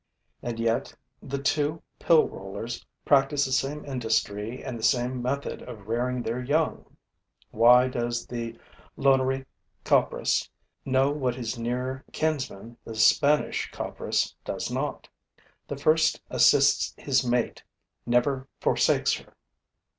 And yet the two pill rollers practice the same industry and the same method of rearing their young. Why does the Lunary Copris know what his near kinsman, the Spanish Copris, does not? The first assists his mate, never forsakes her.